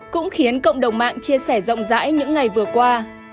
cũng khiến cộng đồng mạng chia sẻ rộng rãi những ngày vừa qua